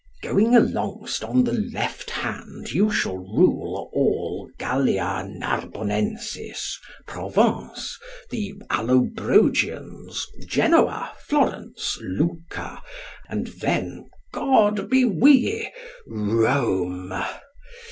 Going alongst on the left hand, you shall rule all Gallia Narbonensis, Provence, the Allobrogians, Genoa, Florence, Lucca, and then God b'w'ye, Rome.